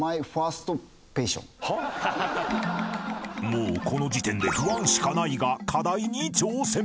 ［もうこの時点で不安しかないが課題に挑戦］